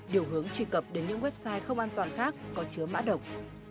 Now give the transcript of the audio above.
điều hướng truy cập đến những website không an toàn khác có chứa mã độc